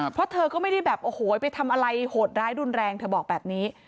เพราะเธอก็ไม่ได้แบบโอ้โหไปทำอะไรโหดร้ายรุนแรงเธอบอกแบบนี้